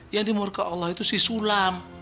yang dimurka allah itu si sulam